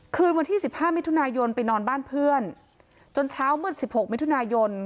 คืนวันที่สิบห้ามิถุนายนไปนอนบ้านเพื่อนจนเช้ามืดสิบหกมิถุนายน